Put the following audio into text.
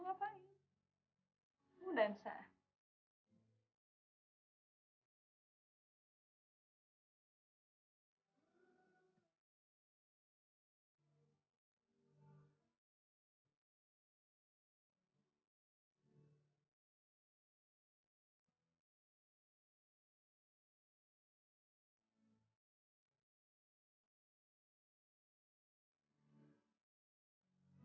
mereka buatan yang perser